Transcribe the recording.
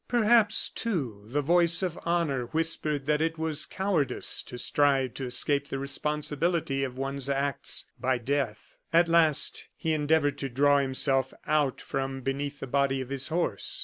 Perhaps, too, the voice of honor whispered that it was cowardice to strive to escape the responsibility of one's acts by death. At last, he endeavored to draw himself out from beneath the body of his horse.